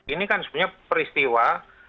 ini kan sebenarnya peristiwa